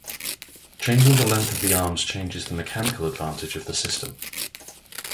Changing the length of the arms changes the mechanical advantage of the system.